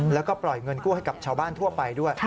แล้วก็ปล่อยเงินกู้ให้กับชาวบ้านทั่วไปด้วย